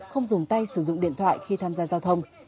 không dùng tay sử dụng điện thoại khi tham gia giao thông